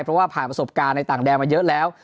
เพราะว่าผ่านประสบการณ์ในต่างแดนมาเยอะแล้ว